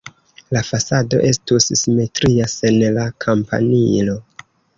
La fasado estus simetria sen la kampanilo.